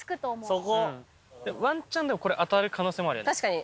ワンチャンこれ当たる可能性もあるよね。